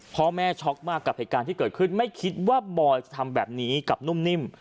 พ่อแม่ช็อกมากกับเหตุการณ์ที่เกิดขึ้นไม่คิดว่าบอยจะทำแบบนี้กับนุ่มนิ่ม